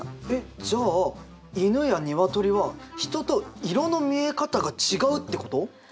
えっじゃあ犬や鶏は人と色の見え方が違うってこと？